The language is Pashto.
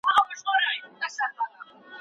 ماته مه وایه چي اور دی پر اغزنو کږلېچونو